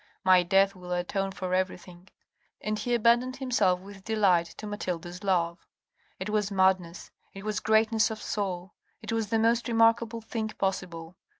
My death will atone for everything;" and he abandoned himself with delight to Mathilde's love. It was madness, it was greatness of soul, it was the most remarkable thing possible.